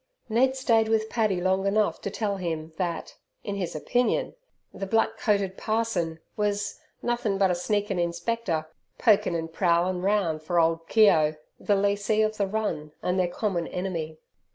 Ned stayed with Paddy long enough to tell him that, in his opinion, the black coated parson was "nothin' but a sneakin' Inspector, pokin' an' prowlin' roun' fur ole Keogh" the lessee of the run, and their common enemy.